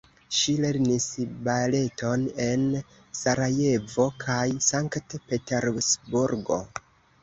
Ŝi lernis baleton en Sarajevo kaj Sankt-Petersburgo.